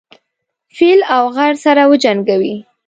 فيل او غر سره وجنګوي.